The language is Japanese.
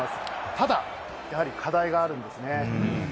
ただ、やはり課題があるんですね。